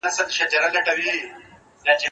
مېوې راټوله؟!